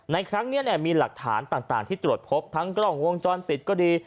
ในครั้งนี้มีหลักฐานต่างที่ตรวจพบทั้งกล้องวงจรปิดก็ดี